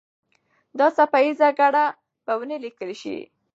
دا څپه ایزه ګړه به ونه لیکل سي.